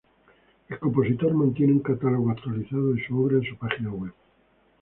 El compositor mantiene un catálogo actualizado de su obra en su página web.